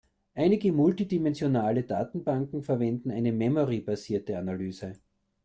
Einige Multidimensionale Datenbanken verwenden eine memory-basierte Analyse.